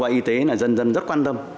vì giáo dục và y tế là dân dân rất quan tâm